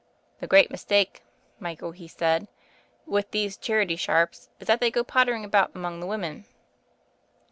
'The great mistake, Michael,' he said, 'with these charity sharps is that they go pottering about among the women.